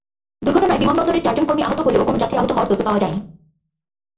দুর্ঘটনায় বিমানবন্দরের চারজন কর্মী আহত হলেও কোনো যাত্রী আহত হওয়ার তথ্য পাওয়া যায়নি।